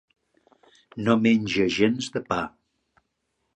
No menja gens de pa.